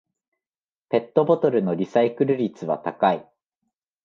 ペットボトルのリサイクル率は高い